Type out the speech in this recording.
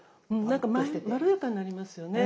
なんかまろやかになりますよね。